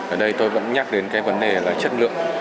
ở đây tôi vẫn nhắc đến cái vấn đề là chất lượng